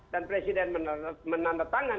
dan presiden menandatangan